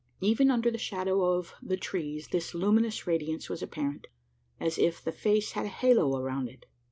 Even under the shadow of the trees, this luminous radiance was apparent as if the face had a halo around it!